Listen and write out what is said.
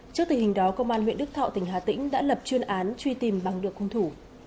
trước tình hình đó công an huyện đức thọ tỉnh hà tĩnh đã lập chuyên án truy tìm bằng được hung thủ